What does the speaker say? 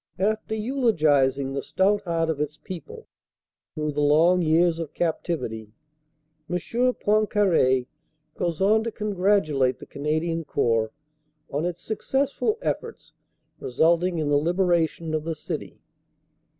After eulogizing the stout heart of its people through the long years of captivity, M. Poincare goes on to congratulate the Canadian Corps on its successful efforts resulting in the liberation of the city.